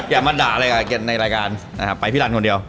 อย่ามาด่าอะไรกับแกในรายการนะครับไปพี่รันคนเดียว